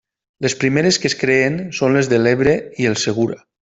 Les primeres que es creen són les de l'Ebre i el Segura.